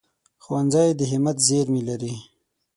ښوونځی د همت زېرمې لري